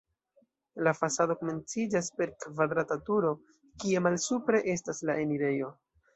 La fasado komenciĝas per kvadrata turo, kie malsupre estas la enirejo.